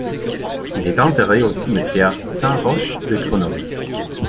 Il est enterré au cimetière Saint-Roch de Grenoble.